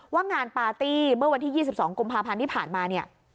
ว่างานปาร์ตี้เมื่อวันที่๒๒กุมภาพันธ์ที่ผ่านมาเนี่ย